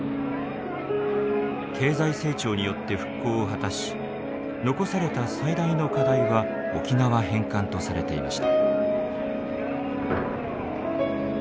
経済成長によって復興を果たし残された最大の課題は沖縄返還とされていました。